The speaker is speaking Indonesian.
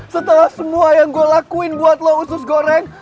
setelah semua yang gue lakuin buat lo usus goreng